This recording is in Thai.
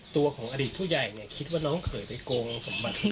ตัวของอดีตผู้ใหญ่เนี่ยคิดว่าน้องเขยไปโกงสมบัติ